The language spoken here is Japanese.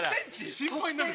心配になる。